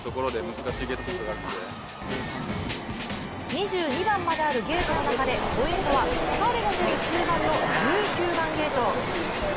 ２２番まであるゲートの中でポイントは疲れの出る終盤の１９番ゲート。